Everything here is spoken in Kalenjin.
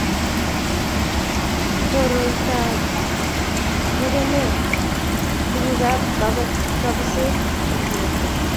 koroitabnengeme tunguk ab kabuset eng borto